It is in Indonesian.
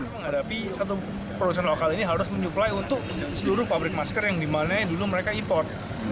menghadapi satu produsen lokal ini harus menyuplai untuk seluruh pabrik masker yang dimana dulu mereka import